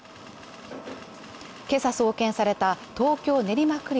今朝送検された東京練馬区立